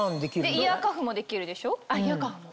イヤーカフもできるでしょ？